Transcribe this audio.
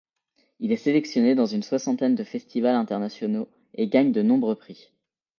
Il est sélectionné dans une soixantaine de Festivals Internationaux et gagne de nombreux prix.